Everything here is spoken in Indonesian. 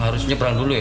harus nyeberang dulu ya